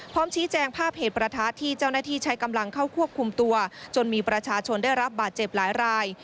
พร้อมชี้แจงภาพเหตุประทะที่เจ้าหน้าที่ใช้กำลังเข้าควบคุมตัวจนมีประชาชนได้รับบาดเจ็บหลายราย